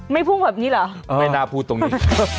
พุ่งแบบนี้เหรอไม่น่าพูดตรงนี้